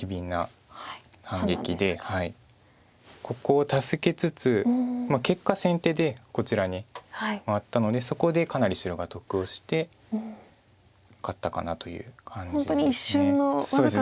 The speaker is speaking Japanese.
ここを助けつつ結果先手でこちらに回ったのでそこでかなり白が得をして勝ったかなという感じです。